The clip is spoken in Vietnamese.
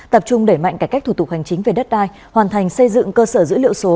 tập trung đẩy mạnh cải cách thủ tục hành chính về đất đai hoàn thành xây dựng cơ sở dữ liệu số